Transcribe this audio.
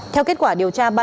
theo kết quả điều tra